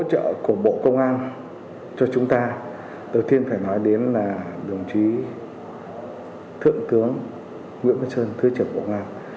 cho chúng ta đầu tiên phải nói đến là đồng chí thượng tướng nguyễn văn sơn thứ trưởng bộ công an